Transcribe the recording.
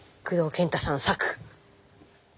工藤健太さん作。